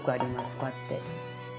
こうやって。